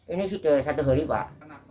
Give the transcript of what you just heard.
ini sudah satu hari pak